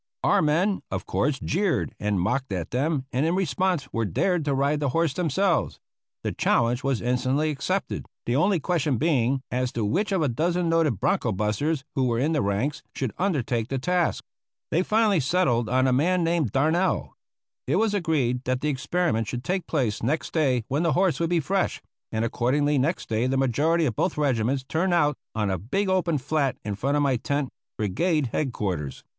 Our men, of course, jeered and mocked at them, and in response were dared to ride the horse themselves. The challenge was instantly accepted, the only question being as to which of a dozen noted bronco busters who were in the ranks should undertake the task. They finally settled on a man named Darnell. It was agreed that the experiment should take place next day when the horse would be fresh, and accordingly next day the majority of both regiments turned out on a big open flat in front of my tent brigade head quarters.